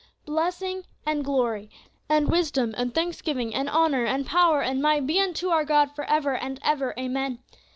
Blessing and glory, and wisdom, and thanksgiving, and honor, and power, and might, be unto our God for ever and ever, Amen.'